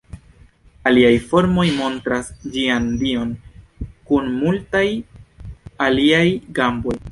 Aliaj formoj montras ĝian dion kun multaj aliaj gamboj.